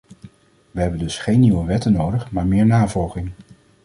We hebben dus geen nieuwe wetten nodig maar meer navolging.